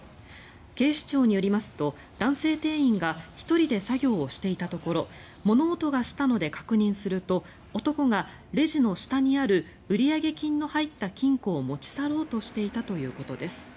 警視庁によりますと男性店員が１人で作業をしていたところ物音がしたので確認すると男が、レジの下にある売上金の入った金庫を持ち去ろうとしていたということです。